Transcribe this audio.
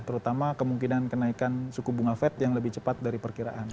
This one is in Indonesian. terutama kemungkinan kenaikan suku bunga fed yang lebih cepat dari perkiraan